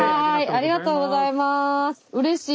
ありがとうございます。